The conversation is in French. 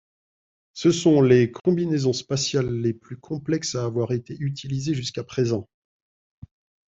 Ce sont les combinaisons spatiales les plus complexes à avoir été utilisées jusqu'à présent.